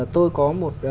tôi có một